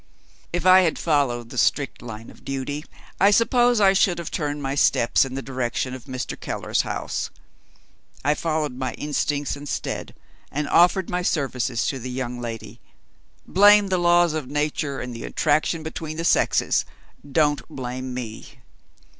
If I had followed the strict line of duty, I suppose I should have turned my steps in the direction of Mr. Keller's house. I followed my instincts instead, and offered my services to the young lady. Blame the laws of Nature and the attraction between the sexes. Don't blame me.